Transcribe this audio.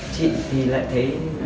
chị thì lại thấy